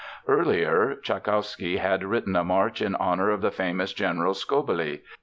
Earlier, Tschaikowsky had written a march in honor of the famous General Skobelev.